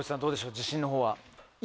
自信のほうは。